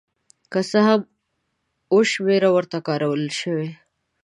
که څه هم اوه شمېره ورته کارول شوې.